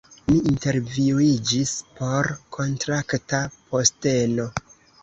Mi intervjuiĝis por kontrakta posteno